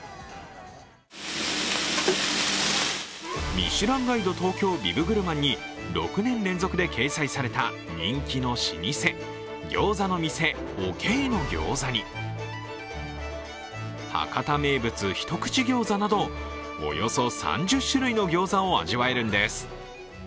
「ミシュランガイド東京ビブグルマン」に６年連続で掲載された人気の老舗、餃子の店おけ以の餃子に博多ひとくち餃子などおよそ３０種類の餃子を味わえるんです。